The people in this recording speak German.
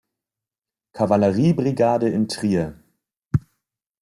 Kavallerie-Brigade in Trier.